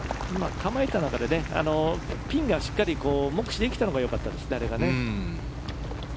構えた中でピンがしっかり目視できたのがよかったですね。